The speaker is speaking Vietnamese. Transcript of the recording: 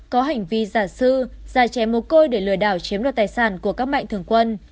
có hành vi giả sư giả trẻ mồ côi để lừa đảo chiếm đoạt tài sản của các mạnh thường quân